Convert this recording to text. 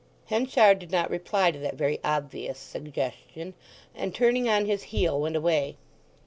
Henchard did not reply to that very obvious suggestion, and, turning on his heel, went away.